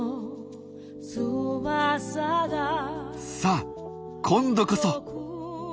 さあ今度こそ。